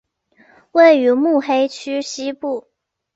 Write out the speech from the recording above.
位于目黑区西部。